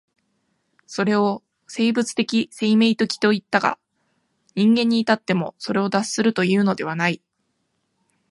それを生物的生命的といったが、人間に至ってもそれを脱するというのではない。